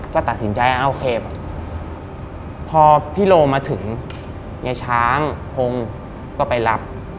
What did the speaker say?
ก็ตัดสินใจว่าอ่ะโอเคพอพี่โลมาถึงเนี่ยช้างพงก็ไปรับ